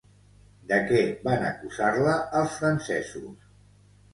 De què van acusar-la els francesos?